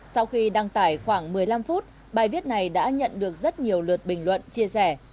sau khi đăng tải khoảng một mươi năm phút bài viết này đã nhận được rất nhiều lượt bình luận chia sẻ